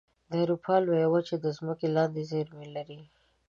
د اروپا لویه وچه د ځمکې لاندې زیرمې لري.